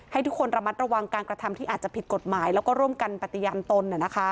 ให้ทุกคนระมัดระวังการกระทำที่อาจจะผิดกฎหมายแล้วก็ร่วมกันปฏิญาณตน